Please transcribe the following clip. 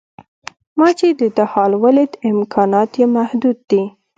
ما چې د ده حال ولید امکانات یې محدود دي.